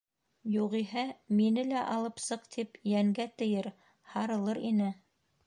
Юғиһә, мине лә алып сыҡ тип йәнгә тейер, һарылыр ине...